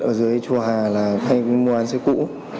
ở dưới chùa hà là hay mua án xe cũ